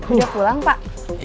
udah pulang pak